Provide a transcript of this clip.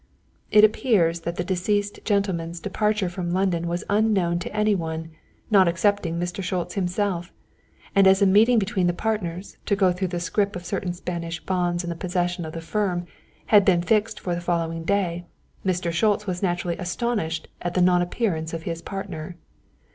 "It appears that the deceased gentleman's departure from London was unknown to any one, not excepting Mr. Schultz himself, and as a meeting between the partners, to go through the scrip of certain Spanish bonds in the possession of the firm, had been fixed for the following day, Mr. Schultz was naturally astonished at the non appearance of his partner.